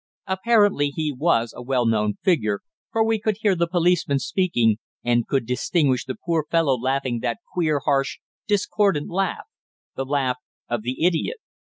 Apparently he was a well known figure, for we could hear the policeman speaking, and could distinguish the poor fellow laughing that queer, harsh, discordant laugh the laugh of the idiot.